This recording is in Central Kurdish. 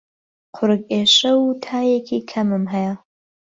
قوڕگ ئێشە و تایەکی کەمم هەیە.